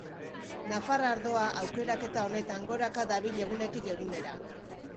Nafar ardoa aukeraketa honetan goraka dabil egunetik egunera.